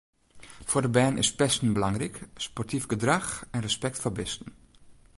Foar de bern is pesten belangryk, sportyf gedrach en respekt foar bisten.